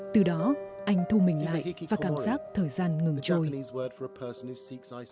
từ đó anh thu mình lại và cảm giác thời gian ngừng trôi